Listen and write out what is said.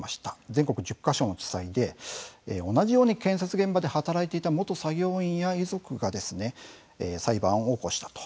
全国１０か所の地裁で同じように建設現場で働いていた元作業員や遺族が裁判を起こしたと。